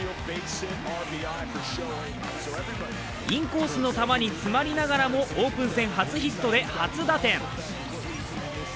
インコースの球に詰まりながらもオープン戦初ヒットで初打点。